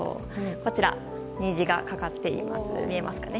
こちら、虹がかかっていますね。